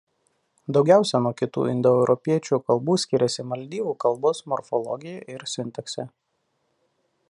Daugiausia nuo kitų indoeuropiečių kalbų skiriasi maldyvų kalbos morfologija ir sintaksė.